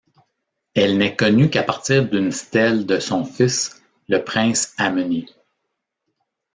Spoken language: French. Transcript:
Elle n'est connue qu'à partir d'une stèle de son fils, le prince Ameni.